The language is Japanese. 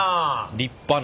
立派な。